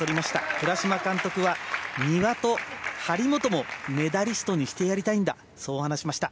倉嶋監督は丹羽と張本もメダリストにしてやりたいんだと話しました。